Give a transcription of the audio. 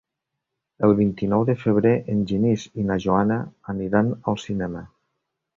El vint-i-nou de febrer en Genís i na Joana aniran al cinema.